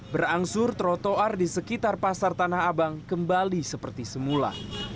berangsur trotoar di sekitar pasar tanah abang kembali seperti semula